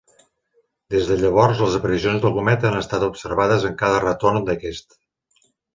Des de llavors, les aparicions del cometa han estat observades en cada retorn d'aquest.